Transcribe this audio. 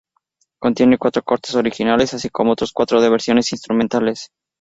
Contiene cuatro cortes originales, así como otros cuatro de versiones instrumentales.